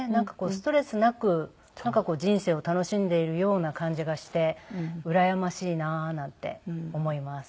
ストレスなく人生を楽しんでいるような感じがしてうらやましいなーなんて思います。